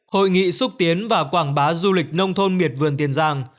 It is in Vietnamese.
hội nghị xúc tiến và quảng bá du lịch nông thôn miệt vườn tiền giang